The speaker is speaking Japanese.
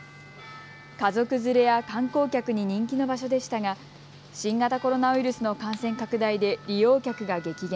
家族連れや観光客に人気の場所でしたが新型コロナウイルスの感染拡大で利用客が激減。